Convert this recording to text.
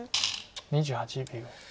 ２８秒。